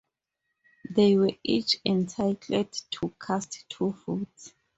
They were each entitled to cast two votes.